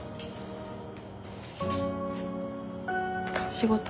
仕事？